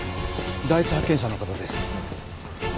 第一発見者の方です。